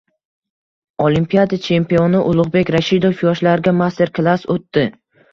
Olimpiada chempioni Ulug‘bek Rashidov yoshlarga master-klass o‘tdi